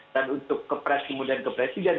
dan untuk ke pres kemudian ke presiden